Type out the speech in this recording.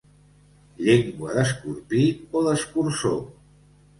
Llengua d'escorpí o d'escurçó.